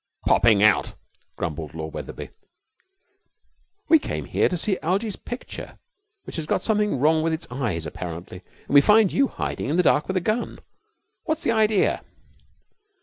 'Popping out!' grumbled Lord Wetherby. 'We came here to see Algie's picture, which has got something wrong with its eyes apparently, and we find you hiding in the dark with a gun. What's the idea?'